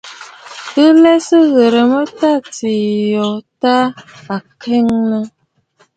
Mǝ̀ lɛ Sɨ ghirǝ mǝ tâ atiî yo tâ à Kanyaŋǝ.